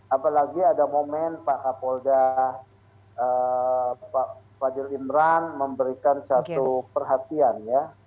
apalagi ada momen pak kapolda fadil imran memberikan satu perhatian ya